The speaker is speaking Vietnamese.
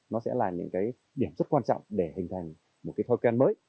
nó sẽ là những cái điểm rất quan trọng để hình thành một cái thói quen mới